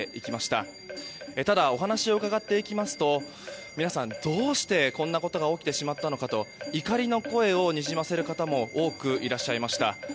ただ、お話を伺っていきますと皆さん、どうしてこんなことが起きてしまったのかと怒りの声をにじませる方も多くいらっしゃいました。